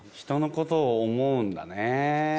人のことを思うんだね。